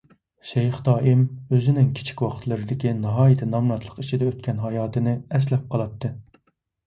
شەيخ دائىم ئۆزىنىڭ كىچىك ۋاقىتلىرىدىكى ناھايىتى نامراتلىق ئىچىدە ئۆتكەن ھاياتىنى ئەسلەپ قالاتتى.